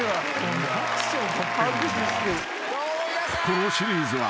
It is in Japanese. ［このシリーズは］